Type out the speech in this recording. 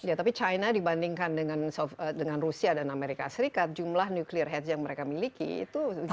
ya tapi china dibandingkan dengan rusia dan amerika serikat jumlah nuklir heads yang mereka miliki itu cukup